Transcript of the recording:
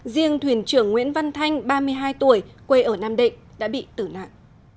riêng thuyền trưởng nguyễn văn thanh ba mươi hai tuổi quê ở nam định đã bị tử nạn